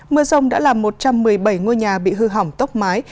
mưa rông đã làm một trăm một mươi bảy ngôi nhà bị hư hỏng tốc mái